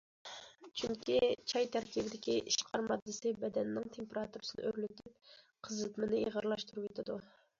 چۈنكى چاي تەركىبىدىكى ئىشقار ماددىسى بەدەننىڭ تېمپېراتۇرىسىنى ئۆرلىتىپ، قىزىتمىنى ئېغىرلاشتۇرۇۋېتىدۇ.